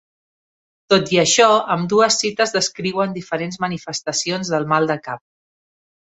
Tot i això, ambdues cites descriuen diferents manifestacions del mal de cap.